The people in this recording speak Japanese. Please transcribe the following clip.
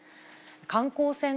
観光船